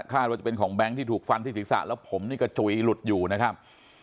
ว่าจะเป็นของแบงค์ที่ถูกฟันที่ศีรษะแล้วผมนี่กระจุยหลุดอยู่นะครับ